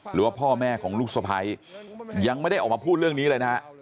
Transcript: หรือว่าพ่อแม่ของลูกสะพ้ายยังไม่ได้ออกมาพูดเรื่องนี้เลยนะฮะ